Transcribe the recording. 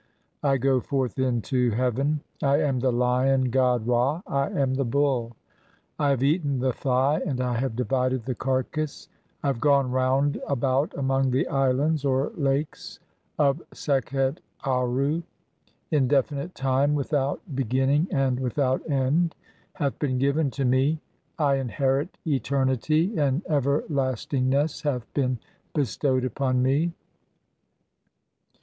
I go forth into heaven. I am the Lion "god Ra. I am the Bull. (6) [I] have eaten the Thigh, and I have "divided the carcase. I have gone round about among the islands "(or lakes) of Sekhet (7)Aaru. Indefinite time, without beginning "and without end, hath been given to me ; I inherit eternity, and "everlastingness hath been bestowed upon me."